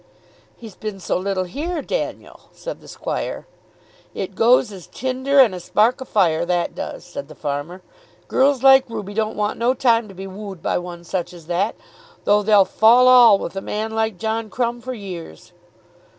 "He's been so little here, Daniel," said the squire. "It goes as tinder and a spark o' fire, that does," said the farmer. "Girls like Ruby don't want no time to be wooed by one such as that, though they'll fall lall with a man like John Crumb for years."